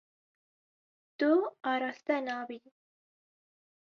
Tu araste nabî.